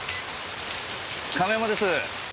亀山です。